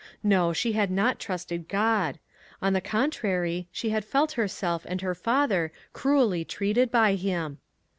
No, she had not trusted God ; on the contrary, she had felt herself and her father cruelly treated by him.